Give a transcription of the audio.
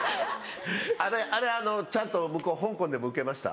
あれちゃんと僕香港でもウケました。